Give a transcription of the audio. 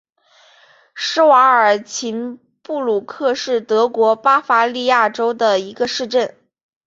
施瓦尔岑布鲁克是德国巴伐利亚州的一个市镇。